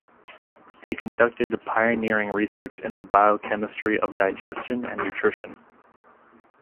He conducted pioneering research in the biochemistry of digestion and nutrition.